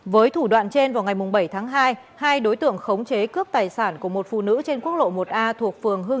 với thủ đoạn trên vào ngày bảy tháng hai hai đối tượng khống chế cướp tài sản của một phụ nữ trên quốc lộ một a thuộc phường hương